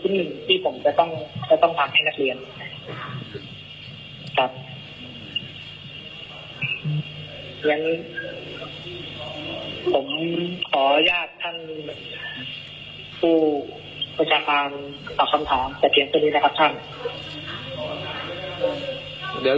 เพราะฉะนั้นผมขออนุญาตท่านผู้ประชาการตอบคำถามแต่เพียงเท่านี้นะครับท่าน